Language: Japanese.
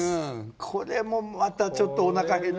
これもまたちょっとおなか減る。